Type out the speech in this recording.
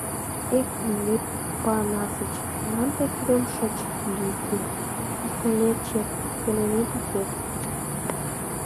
— Эх, Вилип Опанасыч, молан тый тудым шыч лӱйӧ, пистолечет пеленетак вет?